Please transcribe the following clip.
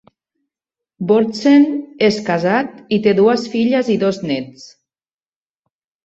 Bordsen és casat i té dues filles i dos nets.